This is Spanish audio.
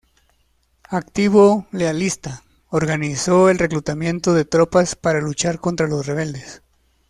Activo lealista, organizó el reclutamiento de tropas para luchar contra los rebeldes.